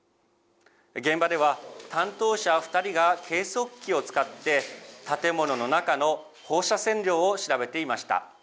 現場では、担当者２人が計測器を使って、建物の中の放射線量を調べていました。